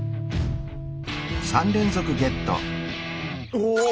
お！